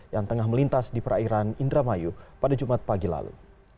yang tengah melintas di perairan indramayu pada jumat pagi lalu